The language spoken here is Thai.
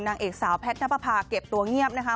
นางเอกสาวแพทย์นับประพาเก็บตัวเงียบนะคะ